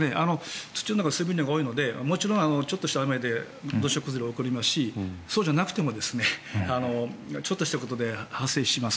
土の中の水分量が多いのでちょっとしたことでも土砂崩れが起こりますしそうじゃなくてもちょっとしたことで発生します。